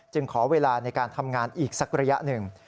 ขอเวลาในการทำงานอีกสักระยะหนึ่ง